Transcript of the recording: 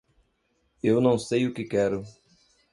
Eu não sei o que quero.